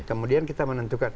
kemudian kita menentukan